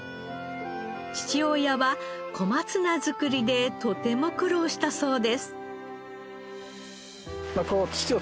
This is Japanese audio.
父親は小松菜作りでとても苦労したそうです。